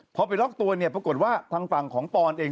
พอไปล็อกตัวเนี่ยปรากฏว่าทางฝั่งของปอนเอง